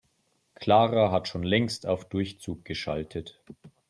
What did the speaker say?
Clara hat schon längst auf Durchzug geschaltet.